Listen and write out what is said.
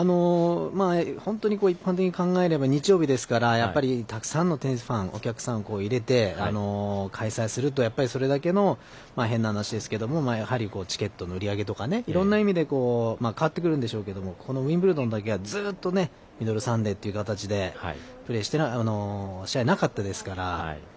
本当に一般的に考えれば日曜日ですからやっぱりたくさんのテニスファンお客さんを入れて開催するとそれだけの、変な話ですがチケットの売り上げとかいろんな意味で変わってくるんでしょうけどこのウィンブルドンだけはずっとミドルサンデーという形で試合がなかったですから。